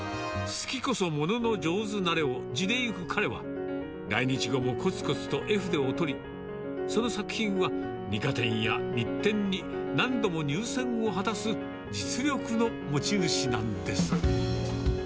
好きこそものの上手なれを地でいく彼は、来日後もこつこつと絵筆を取り、その作品は、二科展や日展に何度も入選を果たす実力の持ち主なんです。